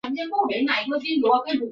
曾任护军校。